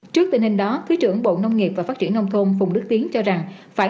trước tình hình đó thứ trưởng bộ nông nghiệp và phát triển nông thôn phùng đức tiến cho rằng phải